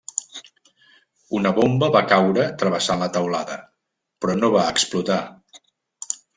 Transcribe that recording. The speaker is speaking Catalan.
Una bomba va caure travessant la teulada, però no va explotar.